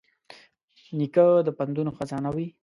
نیکه د پندونو خزانه وي.